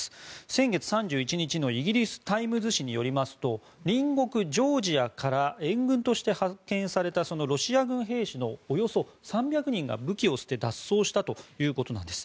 先月３１日のイギリスタイムズ紙によりますと隣国ジョージアから援軍として派遣されたロシア軍兵士のおよそ３００人が武器を捨て脱走したということです。